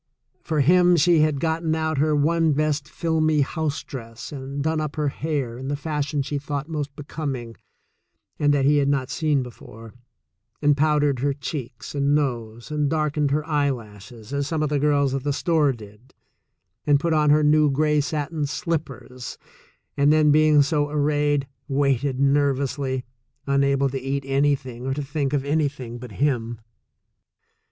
For him she had gotten out her one best filmy house dress and done up her hair in the fashion she thought most be coming — and that he had not seen before — and pow THE SECOND CHOICE 143 dered her cheeks and nose and darkened her eyelashes, as some of the girls at the store did, and put on her new gray satin slippers, and then, being so arrayed, waited nervously, unable to eat anything or to think of anything but him.